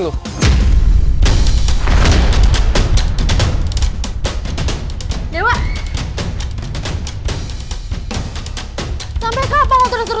dia juga gak bakal denger